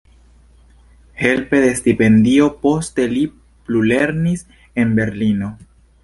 Helpe de stipendio poste li plulernis en Berlino.